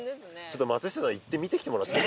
ちょっと松下さん行って見てきてもらって。